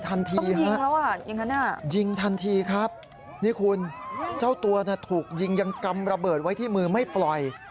ทันทีฮะยิงทันทีครับนี่คุณเจ้าตัวถูกยิงยังกำระเบิดไว้ที่มือไม่ปล่อย